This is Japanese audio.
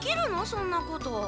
そんなこと。